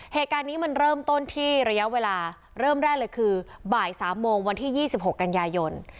เหตุการณ์นี้มันเริ่มต้นที่ระยะเวลาเริ่มแรกเลยคือบ่าย๓โมงวันที่๒๖กันยายน